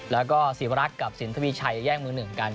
แล้วก็ศีลประรักษณ์กับสินทฯพิชัยแยกมึงหนึ่งกัน